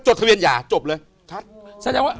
จดทะเบียนหยาจบเลยใช่